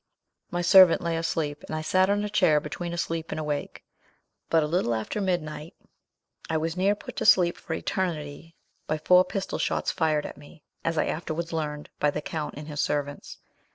"My servant lay asleep, and I sat on a chair between asleep and awake; but a little after midnight, I was near put to sleep for eternity by four pistol shots fired at me, as I afterwards learned, by the count and his servants.